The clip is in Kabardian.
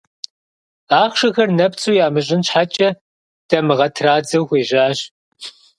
Ахъшэхэр нэпцӏу ямыщӏын щхьэкӏэ, дамыгъэ традзэу хуежьащ.